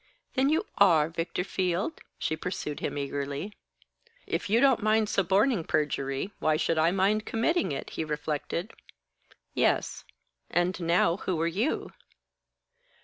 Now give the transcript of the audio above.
"Then you are Victor Field?" she pursued him eagerly. "If you don't mind suborning perjury, why should I mind committing it?" he reflected. "Yes. And now, who are you?"